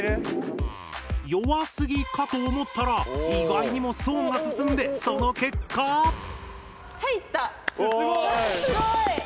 弱すぎかと思ったら意外にもストーンが進んでその結果⁉すごい！